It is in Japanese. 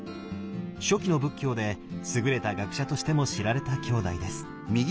初期の仏教で優れた学者としても知られた兄弟です。